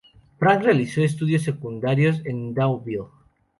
Frank realizó sus estudios secundarios en Deauville.